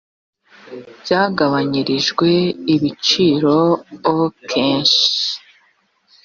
byagabanyirijwe ibiciro o kenshi